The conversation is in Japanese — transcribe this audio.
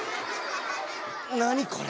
何これ。